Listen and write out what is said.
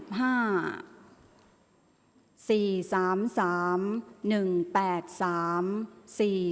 ออกรางวัลที่๖เลขที่๗